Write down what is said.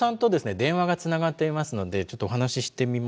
電話がつながっていますのでちょっとお話ししてみましょう。